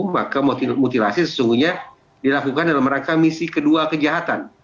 maka mutilasi sesungguhnya dilakukan dalam rangka misi kedua kejahatan